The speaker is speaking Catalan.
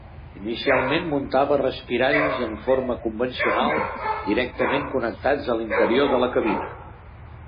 Inicialment muntava respiralls en forma convencional, directament connectats a l’interior de la cabina.